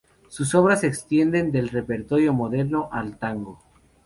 Sus obras se extienden del repertorio moderno al tango.